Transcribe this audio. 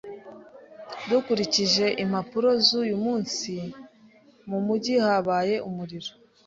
Dukurikije impapuro z'uyu munsi, mu mujyi habaye umuriro.